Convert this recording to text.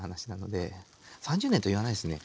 ３０年と言わないですね。